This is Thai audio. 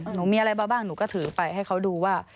หนูมีอะไรมาบ้างหนูก็ถือไปให้เขาดูว่า